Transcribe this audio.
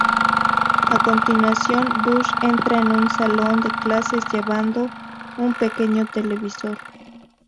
A continuación, Bush entra en un salón de clases, llevando un pequeño televisor.